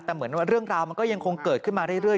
แต่เหมือนเรื่องราวมันก็ยังคงเกิดขึ้นมาเรื่อย